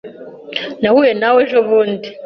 Nahuye nawe ejobundi.